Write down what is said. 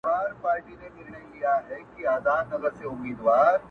او بېوفايي ، يې سمه لکه خور وگڼه_